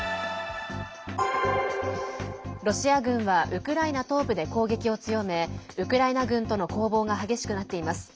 ロシア軍はウクライナ東部で攻撃を強めウクライナ軍との攻防が激しくなっています。